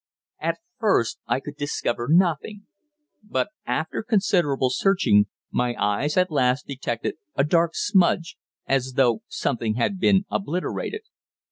At first I could discover nothing, but after considerable searching my eyes at last detected a dark smudge, as though something had been obliterated.